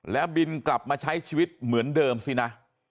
แล้วบินกลับมาใช้ชีวิตเหมือนเดิมซินะ